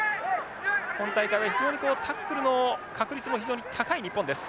今大会は非常にタックルの確率も非常に高い日本です。